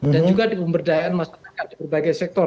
dan juga di pemberdayaan masyarakat di berbagai sektor